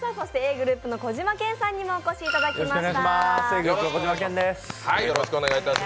ｇｒｏｕｐの小島健さんにもお越しいただきました。